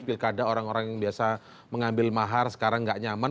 pilkada orang orang yang biasa mengambil mahar sekarang nggak nyaman